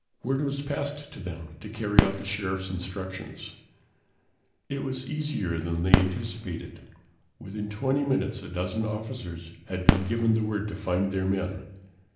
Word was passed to them to carry out the Sheriff's instructions. It was easier than they anticipated. Within 20 minutes a dozen officers had been given the word to find their men.